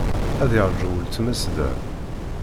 Ad yeṛju weltma-s da.